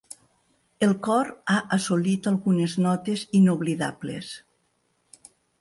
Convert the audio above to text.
El cor ha assolit algunes notes inoblidables.